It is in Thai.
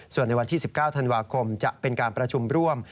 ส่วนในวันที่๑๙ธันวาคมจะเป็นการประชุมร่วม